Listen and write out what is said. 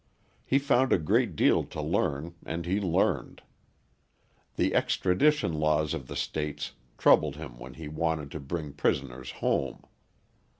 He found a great deal to learn and he learned. The extradition laws of the states troubled him when he wanted to bring prisoners home.